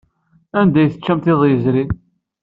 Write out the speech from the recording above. Anda ay teččamt iḍ yezrin?